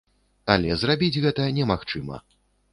Але зрабіць гэта немагчыма.